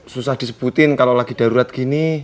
susah disebutin kalau lagi darurat gini